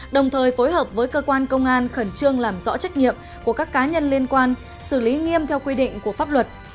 đồng thời phối hợp với cơ quan công an khẩn trương làm rõ trách nhiệm của các cá nhân liên quan xử lý nghiêm theo quy định của pháp luật